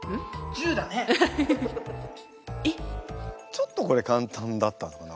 ちょっとこれ簡単だったのかな？